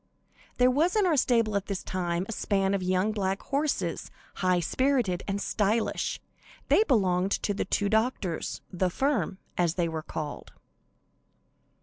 There was in our stable at this time, a span of young black horses, high spirited and stylish. They belonged to the two doctors "the firm," as they were called.